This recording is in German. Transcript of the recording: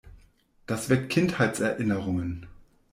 Das weckt Kinderheitserinnerungen.